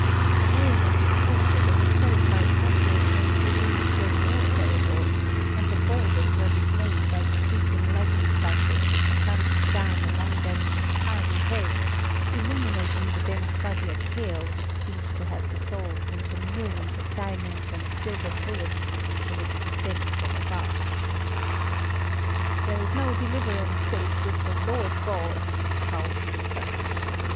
The neighing of the tortured and terrified horses made the din still more terrible, and the boldest were dismayed by the sweeping lightning flashes which plunged down among them with fiery heads, illuminating the dense body of hail which seemed to have dissolved into millions of diamonds and silver bullets in its descent from above. "There is no deliverance save with the 'Lord God!'" howled the Turks.